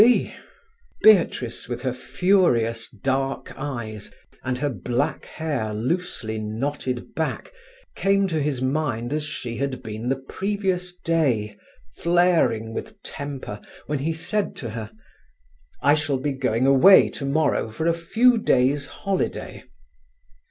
Beatrice, with her furious dark eyes, and her black hair loosely knotted back, came to his mind as she had been the previous day, flaring with temper when he said to her: "I shall be going away tomorrow for a few days' holiday."